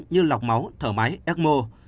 như lọc máu thở máy ecmo